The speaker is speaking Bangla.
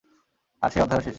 আর সেই অধ্যায়ও শেষ।